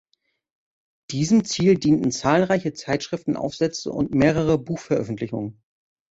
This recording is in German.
Diesem Ziel dienten zahlreiche Zeitschriftenaufsätze und mehrere Buchveröffentlichungen.